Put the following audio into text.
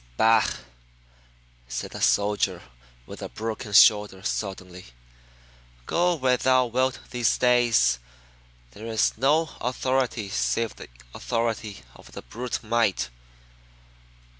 "Bah!" said the soldier with the broken shoulder suddenly. "Go where thou wilt these days there is no authority save the authority of brute might.